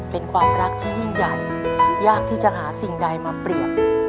เป็นความรักที่ยิ่งใหญ่ยากที่จะหาสิ่งใดมาเปรียบ